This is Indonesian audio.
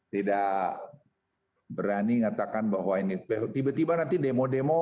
tidak berani mengatakan bahwa ini tiba tiba nanti demo demo